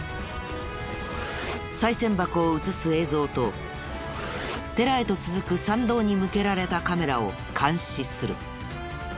さい銭箱を映す映像と寺へと続く参道に向けられたカメラを監視する。